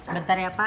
bentar ya pak